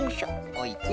おいて。